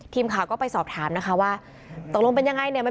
ทีมข่าวก็ไปสอบถามนะคะว่าตกลงเป็นยังไงเนี่ย